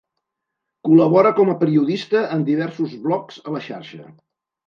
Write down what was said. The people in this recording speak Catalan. Col·labora com a periodista en diversos blogs a la Xarxa.